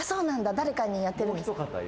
誰かにやってるんですか？